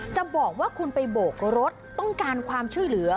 จะบอกว่าคุณไปโบกรถต้องการความช่วยเหลือ